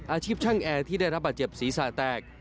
อาชีพช่างแอร์ที่ได้รับบาดเจ็บศีรษะแตก